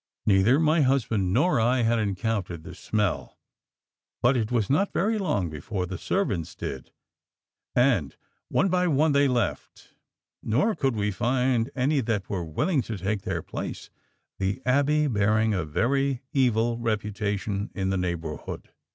Neither my husband nor I had encountered the Smell, but it was not very long before the servants did and one by one they LEFT, nor could we find any that were willing to take their place, the Abbey bearing a very evil reputation in the neighbourhood.